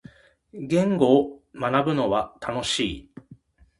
言語を学ぶのは楽しい。